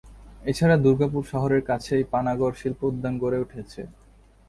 এছাড়া দুর্গাপুর শহরের কাছেই পানাগড় শিল্প উদ্যান গড়ে উঠেছে।